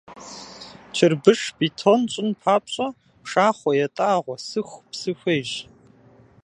Чырбыш, бетон щӀын папщӀэ пшахъуэ, ятӀагъуэ, сэху, псы хуейщ.